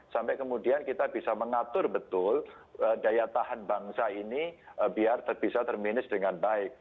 sampai kemudian kita bisa mengatur betul daya tahan bangsa ini biar bisa terminis dengan baik